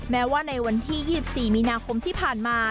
แม้ว่าในวันที่๒๔มีนาคมที่ผ่านมา